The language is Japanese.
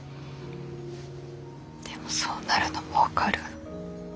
でもそうなるのも分かる。